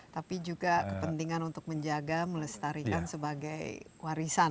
tapi juga kepentingan untuk menjaga melestarikan sebagai warisan